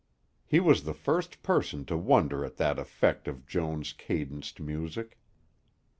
He was the first person to wonder at that effect of Joan's cadenced music.